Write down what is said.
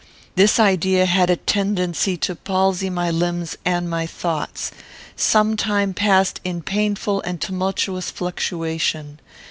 This idea had a tendency to palsy my limbs and my thoughts. Some time passed in painful and tumultuous fluctuation.